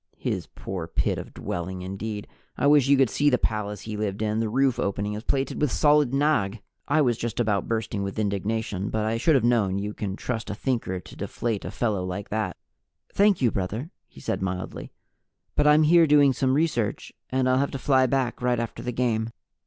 His poor pit of a dwelling, indeed! I wish you could see the palace he lived in the roof opening is plated with solid nagh! I was just about bursting with indignation, but I should have known you can trust a Thinker to deflate a fellow like that. "Thank you, brother," he said mildly, "but I'm here doing some research and I'll have to fly back right after the game."